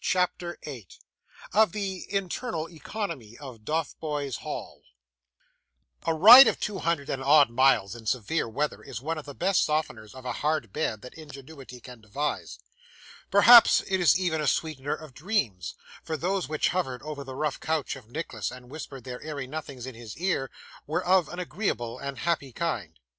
CHAPTER 8 Of the Internal Economy of Dotheboys Hall A ride of two hundred and odd miles in severe weather, is one of the best softeners of a hard bed that ingenuity can devise. Perhaps it is even a sweetener of dreams, for those which hovered over the rough couch of Nicholas, and whispered their airy nothings in his ear, were of an agreeable and happy kind.